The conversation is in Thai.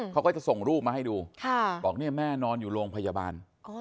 เขาก็จะส่งรูปมาให้ดูบอกเนี่ยแม่นอนอยู่โรงพยาบาล